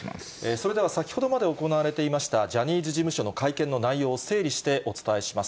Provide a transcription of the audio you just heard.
それでは先ほどまで行われていましたジャニーズ事務所の会見の内容を、整理してお伝えします。